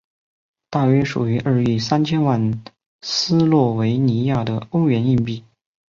大约属于二亿三千万斯洛维尼亚的欧元硬币。